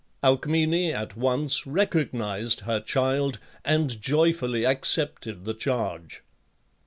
Alcmene at once recognized her child, and joyfully accepted the charge.